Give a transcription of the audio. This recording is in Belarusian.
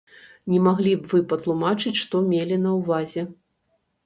Не маглі б вы патлумачыць, што мелі на ўвазе?